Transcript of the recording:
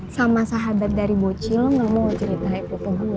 sama sahabat dari boci lo gak mau cerita itu ke gue lagi